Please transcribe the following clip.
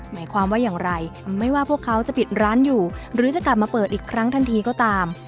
หมายความว่าอย่างไรไม่ว่าพวกเขาจะปิดร้านอยู่หรือจะกลับมาเปิดอีกครั้งทันทีก็ตาม